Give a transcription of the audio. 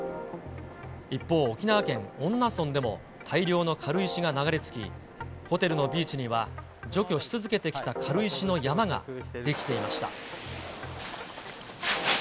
一方、沖縄県恩納村でも大量の軽石が流れ着き、ホテルのビーチには、除去し続けてきた軽石の山が出来ていました。